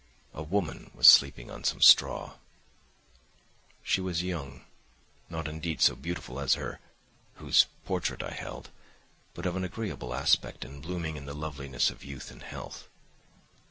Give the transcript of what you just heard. A woman was sleeping on some straw; she was young, not indeed so beautiful as her whose portrait I held, but of an agreeable aspect and blooming in the loveliness of youth and health.